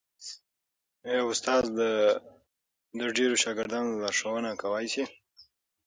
ایا استاد د ډېرو شاګردانو لارښوونه کولای سي؟